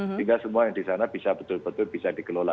sehingga semua yang di sana bisa betul betul bisa dikelola